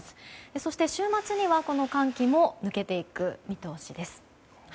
そして、週末にはこの寒気も抜けていく見通しです。